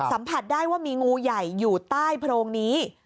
สัมผัสได้ว่ามีงูใหญ่อยู่ใต้โพรงนี้